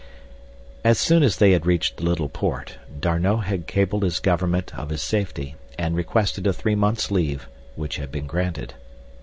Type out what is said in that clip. As soon as they had reached the little port, D'Arnot had cabled his government of his safety, and requested a three months' leave, which had been granted.